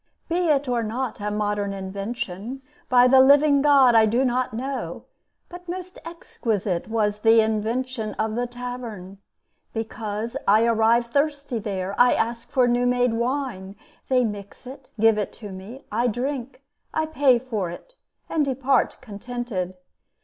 Be it or not a modern invention, By the living God I do not know; But most exquisite was The invention of the tavern. Because, I arrive thirsty there, I ask for new made wine, They mix it, give it to me, I drink, I pay for it, and depart contented.